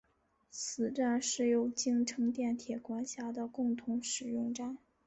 此站是由京成电铁管辖的共同使用站。